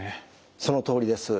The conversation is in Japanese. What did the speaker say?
そのとおりです。